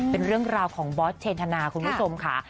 เป็นเรื่องราวของบอสเชนธนาคุณผู้ชมค่ะ